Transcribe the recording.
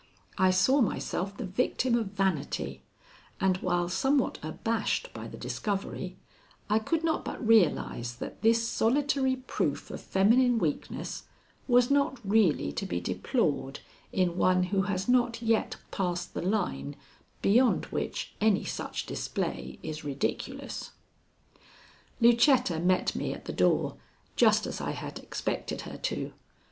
I saw myself the victim of vanity, and while somewhat abashed by the discovery, I could not but realize that this solitary proof of feminine weakness was not really to be deplored in one who has not yet passed the line beyond which any such display is ridiculous. Lucetta met me at the door just as I had expected her to.